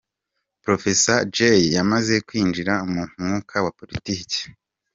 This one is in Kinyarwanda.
Professor Jay yamaze kwinjira mu mwuka wa politiki.